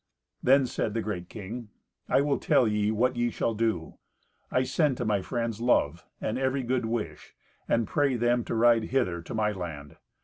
Then said the great king, "I will tell ye what ye shall do. I send to my friends love and every good wish, and pray them to ride hither to my land.